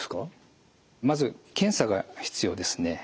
まず検査が必要ですね。